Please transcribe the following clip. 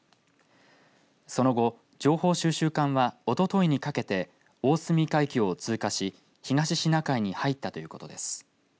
その後、情報収集艦はおとといにかけて大隅海峡を通過し東シナ海に入ったということです。